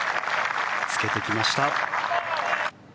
つけてきました。